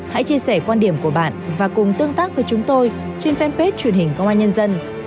hãy chia sẻ quan điểm của bạn và cùng tương tác với chúng tôi trên fanpage truyền hình công an nhân dân